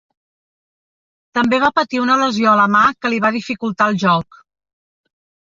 També va patir una lesió a la mà que li va dificultar el joc.